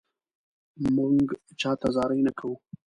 مونږ چاته زاري نه کوو